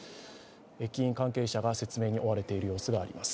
駅員関係者が説明に追われている様子があります。